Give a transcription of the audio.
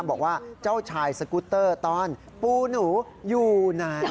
บอกว่าเจ้าชายสกุตเตอร์ตอนปูหนูอยู่ไหน